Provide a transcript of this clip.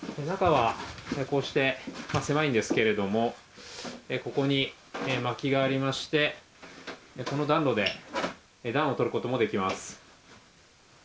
中はこうして狭いんですけれども、ここにまきがありまして、この暖炉で暖をとることもできます。